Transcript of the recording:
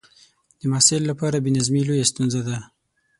د محصل لپاره بې نظمي لویه ستونزه ده.